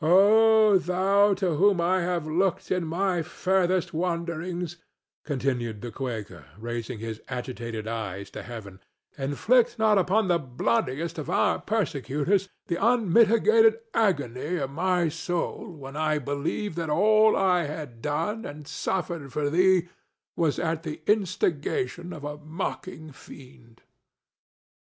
'—O Thou to whom I have looked in my furthest wanderings," continued the Quaker, raising his agitated eyes to heaven, "inflict not upon the bloodiest of our persecutors the unmitigated agony of my soul when I believed that all I had done and suffered for thee was at the instigation of a mocking fiend!